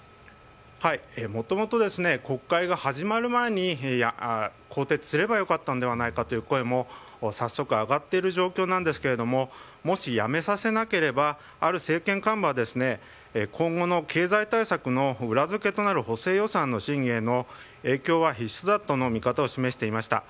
もともと、国会が始まる前に更迭すれば良かったのではないかという声も早速、上がっている状況なんですがもし辞めさせなければある政権幹部は今後の経済対策の裏付けとなる補正予算の審議への影響は必至だとの見方を示していました。